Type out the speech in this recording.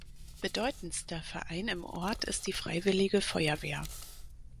Bedeutendster Verein im Ort ist die Freiwillige Feuerwehr.